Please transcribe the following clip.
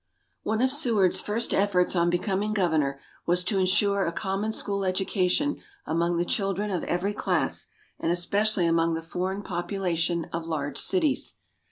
One of Seward's first efforts on becoming Governor was to insure a common school education among the children of every class, and especially among the foreign population of large cities.